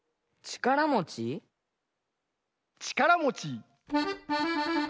「ちからもちちからもち」